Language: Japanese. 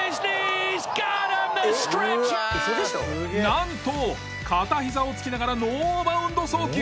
なんと片ひざをつきながらノーバウンド送球。